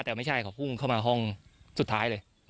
แต่ไม่ใช่เขากับผู้หญิงเข้ามาห้องสุดท้ายเลย